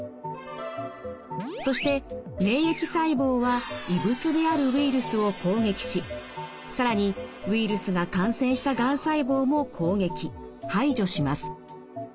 そして免疫細胞は異物であるウイルスを攻撃し更にウイルスが感染したがん細胞も攻撃排除します。